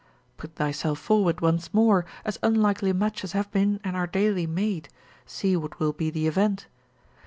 Put thyself forward once more, as unlikely matches have been and are daily made, see what will be the event.